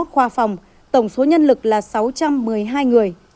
ba mươi một khoa phòng tổng số nhân lực là sáu trăm một mươi hai người